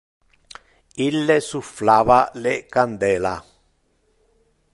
Ille sufflava le candela.